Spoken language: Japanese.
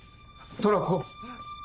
トラコ。